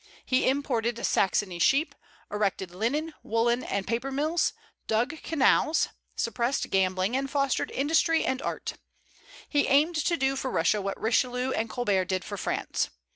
He imported Saxony sheep, erected linen, woollen, and paper mills, dug canals, suppressed gambling, and fostered industry and art. He aimed to do for Russia what Richelieu and Colbert did for France.